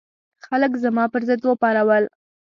خلک زما پر ضد وپارول.